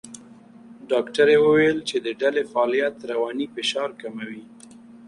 ډاکټره وویل چې د ډلې فعالیت رواني فشار کموي.